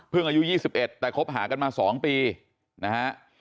เพิ่งอายุยี่สิบเอ็ดแต่คบหากันมาสองปีนะฮะ